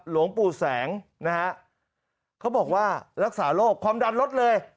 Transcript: หลวงปู่แสงนะฮะเขาบอกว่ารักษาโรคความดันรถเลย